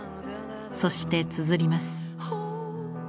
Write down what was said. そしてつづります。